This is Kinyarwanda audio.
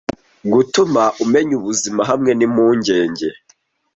Gutuma umenya ubuzima hamwe nimpungenge